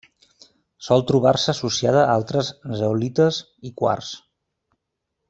Sol trobar-se associada a altres zeolites i quars.